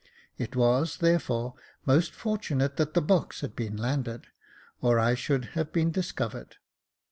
It was, therefore, most fortunate that the box had been landed, or I should have been discovered.